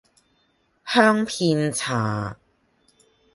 香片茶